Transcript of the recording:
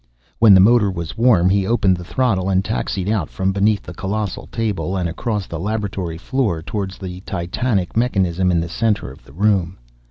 When the motor was warm, he opened the throttle and taxied out from beneath the colossal table, and across the laboratory floor toward the Titanic mechanism in the center of the room.